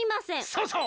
そうそう！